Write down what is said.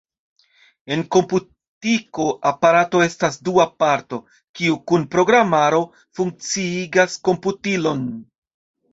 En komputiko aparato estas dua parto, kiu kun programaro funkciigas komputilon.